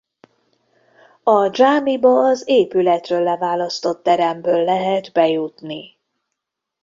A dzsámiba az épületről leválasztott teremből lehet bejutni.